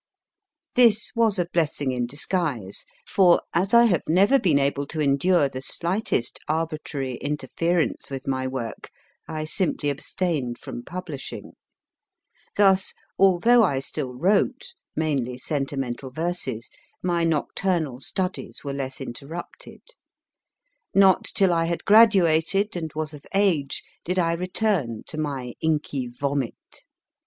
This was a blessing in disguise ; for, as I have never been able to endure the slightest arbitrary interference with my SUCH STUFF AS LITTLE BOYS SCRIBBLE UPON WALLS 172 MY FIRST BOOK work, I simply abstained from publishing. Thus, although I still wrote mainly sentimental verses my nocturnal studies were less interrupted. Not till I had graduated, and was of age, did I return to my inky vomit.